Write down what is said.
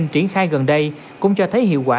triển khai gần đây cũng cho thấy hiệu quả